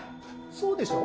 そうでしょう？